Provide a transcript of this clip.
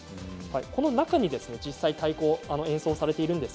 この中で太鼓が演奏されています。